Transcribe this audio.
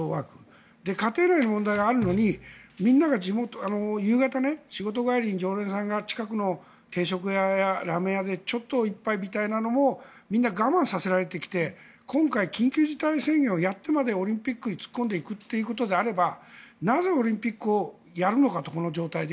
家庭内の問題があるのにみんなが夕方仕事帰りに常連さんが近くの定食屋やラーメン屋でちょっと一杯みたいのもみんな我慢させられてきて今回、緊急事態宣言をやってまでオリンピックに突っ込んでいくということであればなぜオリンピックをやるのかというこの状態で。